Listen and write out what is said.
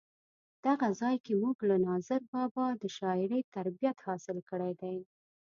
دغه ځای کې مونږ له ناظر بابا د شاعرۍ تربیت حاصل کړی دی.